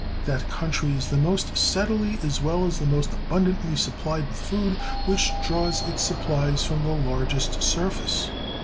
That country is the most steadily as well as the most abundantly supplied with food which draws its supplies from the largest surface.